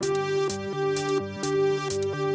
psikopat ter announcer